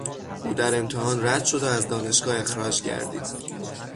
او در امتحان رد شد و از دانشگاه اخراج گردید.